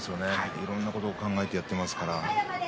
いろんなことを考えてやっています。